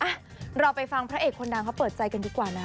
อ่ะเราไปฟังพระเอกคนดังเขาเปิดใจกันดีกว่านะ